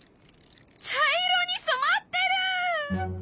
茶色にそまってる！